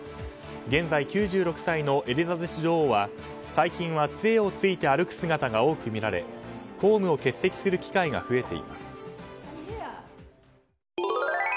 現在９６歳のエリザベス女王は最近はつえをついて歩く姿が多くみられ公務を欠席する機会が増えています。